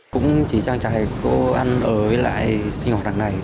cũng chỉ chẳng chả có ăn ớ với lại sinh hoạt đằng ngày